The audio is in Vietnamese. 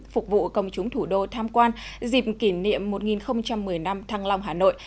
phục vụ công chúng thủ đô tham quan dịp kỷ niệm một nghìn một mươi năm thăng long hà nội